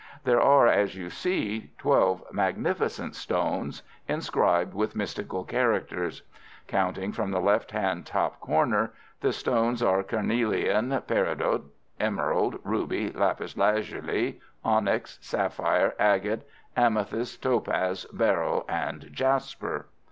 There are, as you see, twelve magnificent stones, inscribed with mystical characters. Counting from the left hand top corner, the stones are carnelian, peridot, emerald, ruby, lapis lazuli, onyx, sapphire, agate, amethyst, topaz, beryl, and jasper."